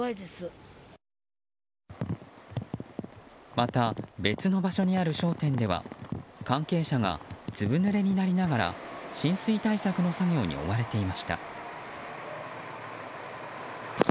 また、別の場所にある商店では関係者がずぶぬれになりながら浸水対策の作業に追われていました。